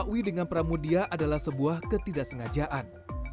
pak uwi dengan pramudia adalah sebuah ketidaksengajaan